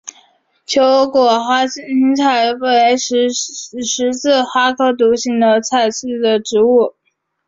球果群心菜为十字花科独行菜属的植物。